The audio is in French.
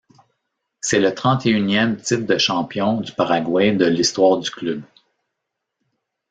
C'est le trente-et-unième titre de champion du Paraguay de l’histoire du club.